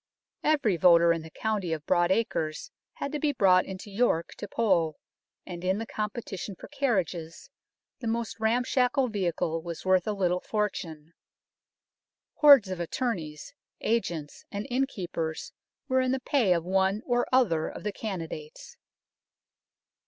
Every voter in the county of broad acres had to be brought into York to poll, and in the competition for carriages the most ram shackle vehicle was worth a little fortune. Hordes of attorneys, agents, and innkeepers were in the pay of one or other of the candidates.